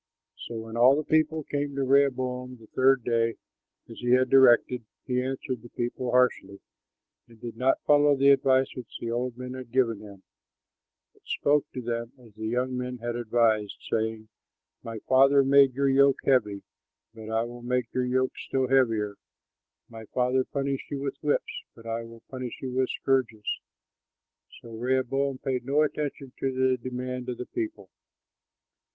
'" So when all the people came to Rehoboam the third day, as he had directed, he answered the people harshly and did not follow the advice which the old men had given him, but spoke to them as the young men had advised, saying, "My father made your yoke heavy, but I will make your yoke still heavier; my father punished you with whips, but I will punish you with scourges." So Rehoboam paid no attention to the demand of the people.